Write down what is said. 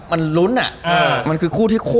มันรุ้นอ่ะมันคือคู่ที่โคตรรุ้น